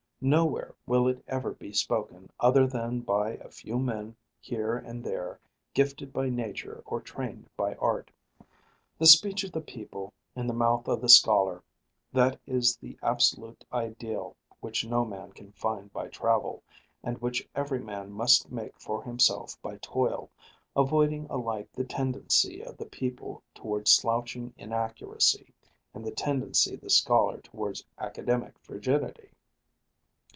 Nowhere will it ever be spoken other than by a few men here and there gifted by nature or trained by art. The speech of the people in the mouth of the scholar, that is the absolute ideal which no man can find by travel, and which every man must make for himself by toil, avoiding alike the tendency of the people towards slouching inaccuracy and the tendency of the scholar towards academic frigidity.